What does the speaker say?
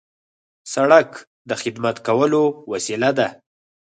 سړک د خدمت کولو وسیله ده.